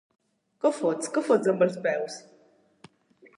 Què fots? —Què fots... amb els peus?